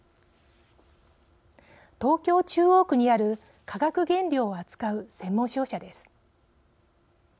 東京、中央区にある化学原料を扱う専門商社です。